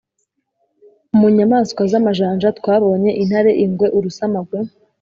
Mu nyamaswa z’amajanja twabonye intare, ingwe, urusamagwe,